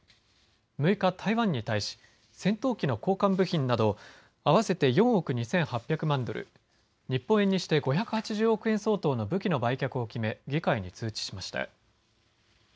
６日、台湾に対し戦闘機の交換部品など合わせて４億２８００万ドル、日本円にして５８０億円相当の武器の売却を決め議会に通知しました。